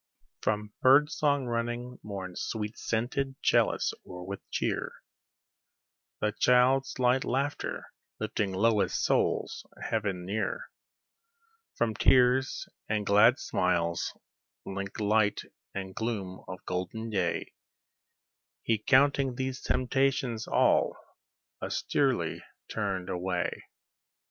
From bird song running morn's sweet scented chalice o'er with cheer, The child's light laughter, lifting lowliest souls heaven near, From tears and glad smiles, linked light and gloom of the golden day, He counting these temptations all, austerely turned away.